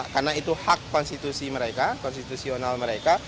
karena itu hak konstitusional mereka